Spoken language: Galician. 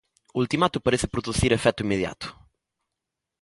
"O ultimato parece producir efecto inmediato".